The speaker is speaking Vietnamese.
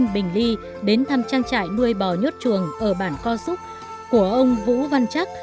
bình ly đến thăm trang trại nuôi bò nhốt chuồng ở bản kho súc của ông vũ văn trắc